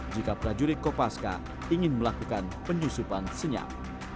jika prajurit kopaska ingin melakukan penyusupan senyap